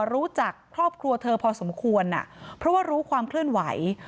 รู้จักครอบครัวเธอพอสมควรเพราะว่ารู้ความเคลื่อนไหว